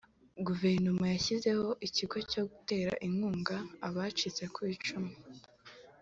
Guverinoma yashyizeho ikigo cyo gutera inkunga abacitse ku icumu